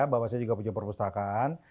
bahwa saya juga punya perpustakaan